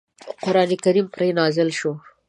قرآن کریم پرې نازل شو.